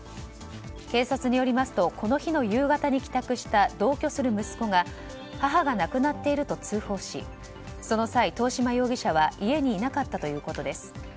警察によりますとこの日の夕方に帰宅した同居する息子が母が亡くなっていると通報しその際、遠嶋容疑者は家にいなかったということです。